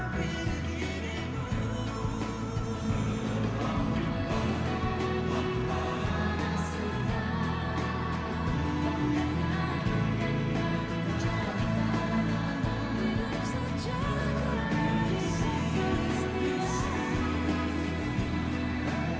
mewakili panglima angkatan bersenjata singapura